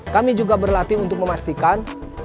kami juga berlatih untuk memastikan